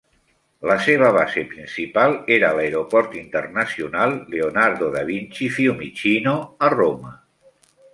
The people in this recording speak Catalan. La seva base principal era l'aeroport internacional Leonardo da Vinci-Fiumicino, a Roma.